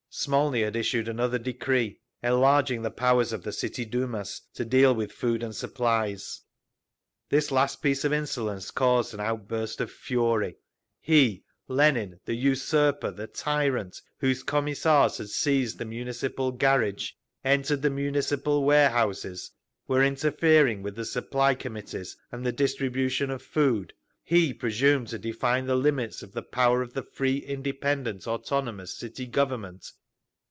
Smolny had issued another decree, enlarging the powers of the City Dumas to deal with food supplies. This last piece of insolence caused an outburst of fury. He, Lenin, the usurper, the tyrant, whose Commissars had seized the Municipal garage, entered the Municipal ware houses, were interfering with the Supply Committees and the distribution of food—he presumed to define the limits of power of the free, independent, autonomous City Government!